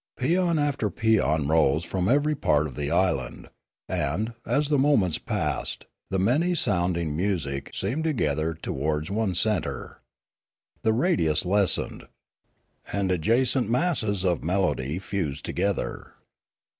Paean after paean Death 369 rose from every part of the island, and, as the moments passed, the many sounding music seemed to gather to wards one centre. The radius lessened, and adjacent masses of melody fused together.